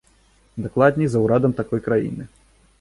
Дакладней, за ўрадам такой краіны.